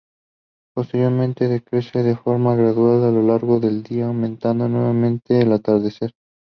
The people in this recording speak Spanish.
Posteriormente decrece de forma gradual a lo largo del día, aumentando nuevamente al atardecer.